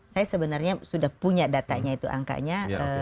saya sebenarnya sudah punya datanya itu angkanya